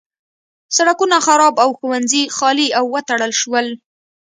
سړکونه خراب او ښوونځي خالي او وتړل شول.